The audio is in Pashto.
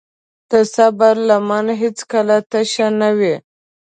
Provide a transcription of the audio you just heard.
د صبر لمن هیڅکله تشه نه وي.